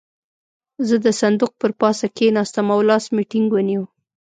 زه د صندوق پر پاسه کېناستم او لاس مې ټينګ ونيو.